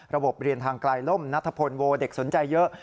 เรียนทางไกลล่มนัทพลโวเด็กสนใจเยอะ